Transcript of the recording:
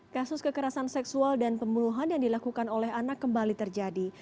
kasus kekerasan seksual dan pembunuhan yang dilakukan oleh anak kembali terjadi